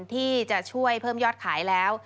ที่จะช่วยเพิ่มยอดขายแล้ว